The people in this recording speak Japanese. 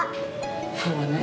そうねえ。